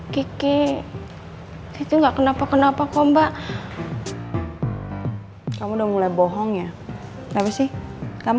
kiki itu enggak kenapa kenapa kompak kamu udah mulai bohong ya nanti kamu